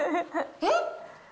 えっ？